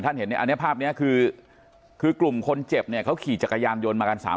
อันนี้ภาพนี้คือกลุ่มคนเจ็บเขาขี่จักรยานโยนมากัน๓คน